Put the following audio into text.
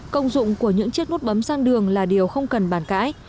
công dụng của những chiếc nốt bấm sang đường là điều không cần bàn cãi